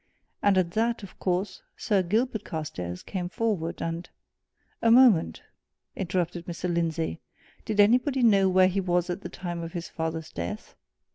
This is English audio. And at that, of course, Sir Gilbert Carstairs came forward, and " "A moment," interrupted Mr. Lindsey. "Did anybody know where he was at the time of his father's death?"